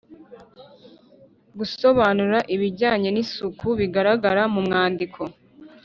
-gusobanura ibijyanye n’isuku bigaragara mu mwandiko;